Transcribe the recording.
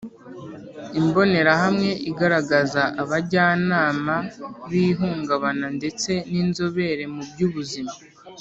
Imbonerahamwe igaragaza abajyanama b ihungabana ndetse n inzobere mu by ubuzima